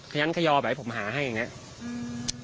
ยันขยอไปให้ผมหาให้อย่างนี้